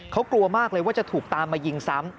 เขากลัวมากเลยว่าจะถูกตามมายิงซ้ำ